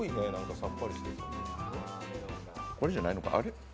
これじゃないのか、あれっ？